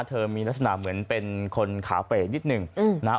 เธอมีลักษณะเหมือนเป็นคนขาเป๋ยนิดนึง